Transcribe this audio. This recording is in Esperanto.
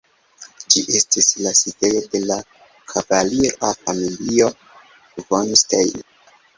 Ĝi estis la sidejo de la kavalira familio von Stein.